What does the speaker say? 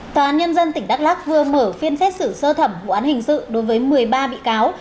tòa án nhân dân tỉnh đắk lắc vừa mở phiên xét xử sơ thẩm vụ án hình sự đối với một mươi ba bị cáo